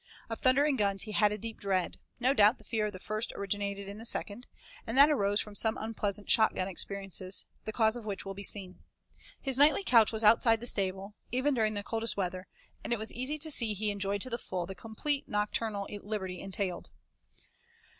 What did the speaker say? Of thunder and guns he had a deep dread no doubt the fear of the first originated in the second, and that arose from some unpleasant shot gun experiences, the cause of which will be seen. His nightly couch was outside the stable, even during the coldest weather, and it was easy to see he enjoyed to the full the complete nocturnal liberty entailed.